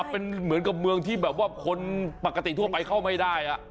เป็นเหมือนกับเมืองที่แบบว่าคนปกติทั่วไปเข้าไม่ได้